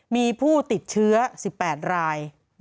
มีผู้ติดเชื้อ๑๘ราย